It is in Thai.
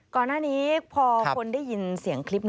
ก่อนหน้านี้พอคนได้ยินเสียงคลิป